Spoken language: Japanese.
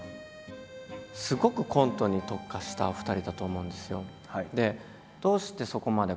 すごくコントに特化したお二人だと思うんですよ。